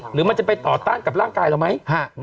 หรือมันจะไปต่อต้านกับร่างกายเราไหม